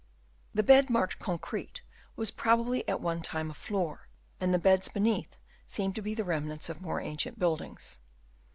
The bed marked " concrete ' was probably at one time a floor ; and the beds eneath seem to be the remnants of more ancient buildings.